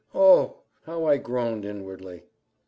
_ Oh! how I groaned inwardly!